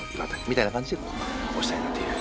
みたいな感じで推したいなという。